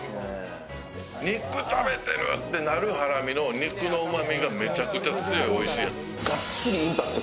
肉食べてる！ってなるハラミの肉のうまみがおいしいやつ。